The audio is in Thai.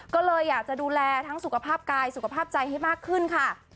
ก็เลยอยากจะดูแลทั้งสุขภาพกายสุขภาพใจให้มากขึ้นค่ะ